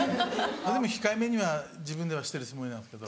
でも控えめには自分ではしてるつもりなんですけど。